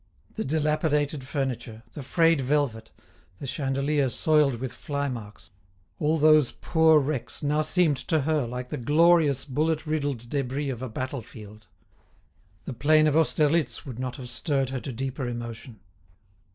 The dilapidated furniture, the frayed velvet, the chandelier soiled with fly marks, all those poor wrecks now seemed to her like the glorious bullet riddled debris of a battle field. The plain of Austerlitz would not have stirred her to deeper emotion.